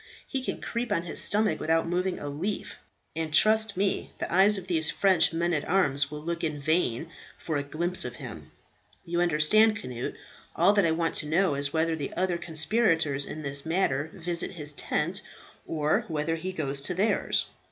He can creep on his stomach without moving a leaf, and trust me the eyes of these French men at arms will look in vain for a glimpse of him." "You understand, Cnut, all that I want to know is whether the other conspirators in this matter visit his tent, or whether he goes to theirs."